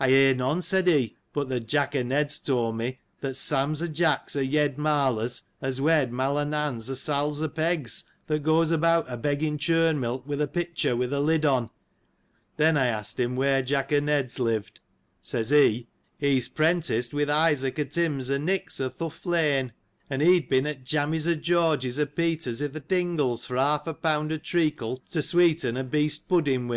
I hear none, said he, but that Jack o' Ned's told me, that Sam's o' Jack's, o' Yed Marler's, has wed Mai o' Nan's, o' Sal's o' Peg's, that goes about a begging churn milk, with a pitcher, with a lid on. Then, I asked him, where Jack o' Ned's lived : says he, he's 'pren ticed with Isaac o' Tim's, o' Nick's o' th' Hough lane ; and he'd been at Jammy's o' George's, o' Peter's, i' th' Dingles, for half a pound of treacle, to sweeten a West pudding with ; and his 1.